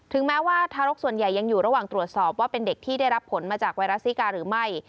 แม้ว่าทารกส่วนใหญ่ยังอยู่ระหว่างตรวจสอบว่าเป็นเด็กที่ได้รับผลมาจากไวรัสซิกาหรือไม่